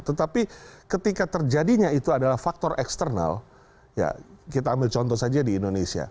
tetapi ketika terjadinya itu adalah faktor eksternal ya kita ambil contoh saja di indonesia